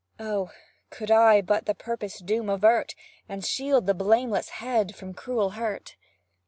Oh! could I but the purposed doom avert, And shield the blameless head from cruel hurt!